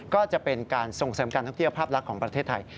ก็จะเป็นการส่งเสริมการท่องเที่ยวภาพลักษณ์ของประเทศไทย